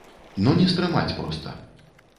Ну не стрымаць проста.